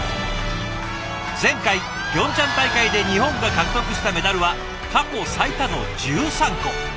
前回ピョンチャン大会で日本が獲得したメダルは過去最多の１３個。